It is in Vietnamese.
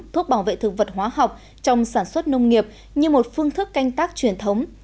thuốc bảo vệ thực vật hóa học trong sản xuất nông nghiệp như một phương thức canh tác truyền thống